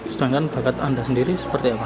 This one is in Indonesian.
sedangkan bakat anda sendiri seperti apa